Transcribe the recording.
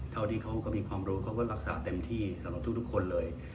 เท่าที่เขาก็มีความรู้เขาก็รักษาเต็มที่สำหรับทุกคนเลย